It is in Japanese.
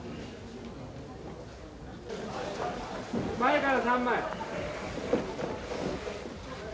前から３枚。